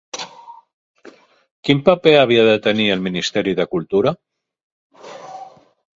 Quin paper havia de tenir el Ministeri de Cultura?